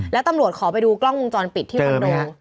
แล้วตำรวจขอไปดูกล้องวงจรปิดที่คอนโด